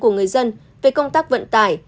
của người dân về công tác vận tải